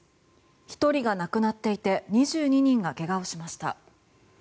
１人が亡くなっていて２２人がけがをしました。